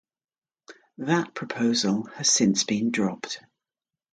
That proposal has since been dropped.